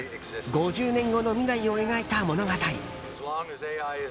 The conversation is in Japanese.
５０年後の未来を描いた物語。